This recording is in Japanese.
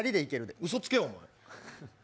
うそつけ、お前。